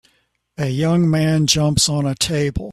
A young man jumps on a table